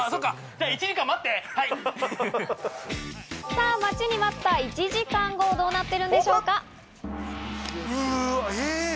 さぁ待ちに待った１時間後、どうなっているんでしょうか？